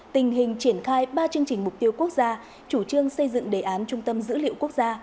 tình hình triển khai ba chương trình mục tiêu quốc gia chủ trương xây dựng đề án trung tâm dữ liệu quốc gia